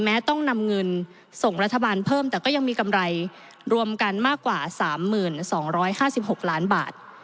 ต้องนำเงินส่งรัฐบาลเพิ่มแต่ก็ยังมีกำไรรวมกันมากกว่า๓๒๕๖ล้านบาท